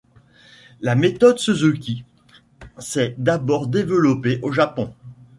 La méthode Suzuki s'est d'abord développée au Japon.